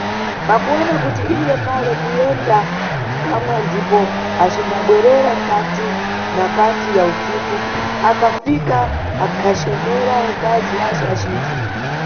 Pakuwona kuti iye pale kuyenda kamwa ndipo acimbabwerera kati na kati ya usiku, akafika akhacemera nkazi wace aciti.